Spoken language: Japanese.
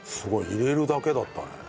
入れるだけだったね。